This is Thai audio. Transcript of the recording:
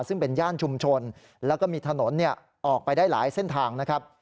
ซึ่งเป็นย่านชุมชนแล้วก็มีถนนออกไปได้หลายเส้นทางนะครับ